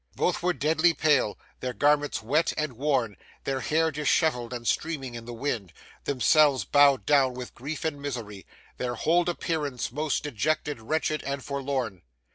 Both were deadly pale, their garments wet and worn, their hair dishevelled and streaming in the wind, themselves bowed down with grief and misery; their whole appearance most dejected, wretched, and forlorn.